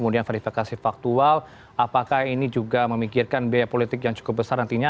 dan verifikasi faktual apakah ini juga memikirkan biaya politik yang cukup besar nantinya